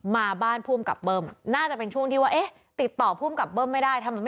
มาบ้านภูมิกับเบิ้มน่าจะเป็นช่วงที่